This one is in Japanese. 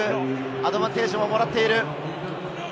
アドバンテージももらっている。